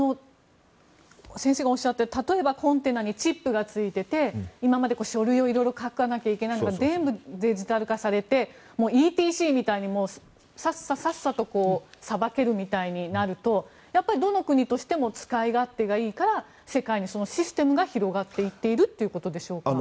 先生がおっしゃった例えばコンテナにチップがついていて今まで書類を書かなきゃいけなかったのが全部デジタル化されてＥＴＣみたいにさっさとさばけるみたいになるとやっぱりどの国としても使い勝手がいいから世界にそのシステムが広がっていっているということでしょうか？